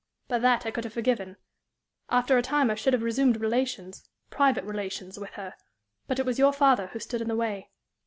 But that I could have forgiven. After a time I should have resumed relations private relations with her. But it was your father who stood in the way.